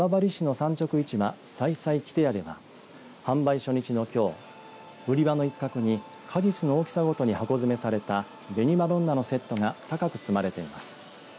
さいさいきて屋では販売初日のきょう売り場の一角に果実の大きさごとに箱詰めされた紅まどんなのセットが高く積まれています。